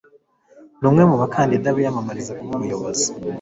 Ni umwe mu bakandida biyamamariza kuba umuyobozi.